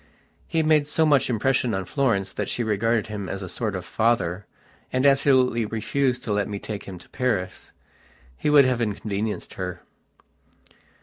He made so much impression on Florence that she regarded him as a sort of father, and absolutely refused to let me take him to Paris. He would have inconvenienced her.